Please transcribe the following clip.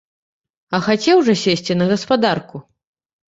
А хацеў жа сесці на гаспадарку?